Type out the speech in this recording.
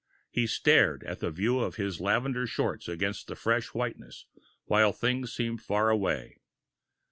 He stared at the view of his lavender shorts against the fresh whiteness, while things seemed far away.